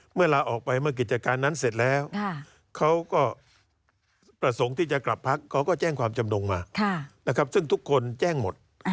ลาออกไปเมื่อกิจการนั้นเสร็จแล้วเขาก็ประสงค์ที่จะกลับพักเขาก็แจ้งความจำนงมานะครับซึ่งทุกคนแจ้งหมด